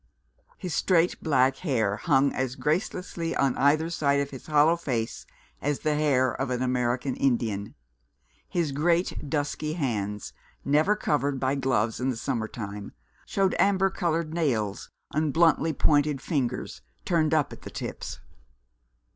His straight black hair hung as gracelessly on either side of his hollow face as the hair of an American Indian. His great dusky hands, never covered by gloves in the summer time, showed amber coloured nails on bluntly pointed fingers, turned up at the tips.